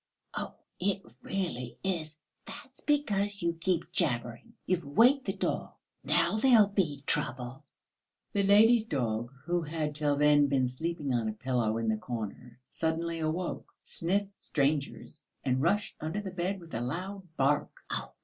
Oh, it really is.... That's because you keep jabbering. You've waked the dog, now there will be trouble." The lady's dog, who had till then been sleeping on a pillow in the corner, suddenly awoke, sniffed strangers and rushed under the bed with a loud bark.